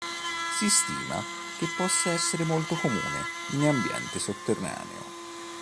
Si stima che possa essere molto comune in ambiente sotterraneo.